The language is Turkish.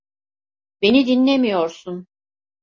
Beni dinlemiyorsun.